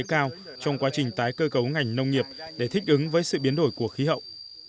cao trong quá trình tái cơ cấu ngành nông nghiệp để thích ứng với sự biến đổi của khí hậu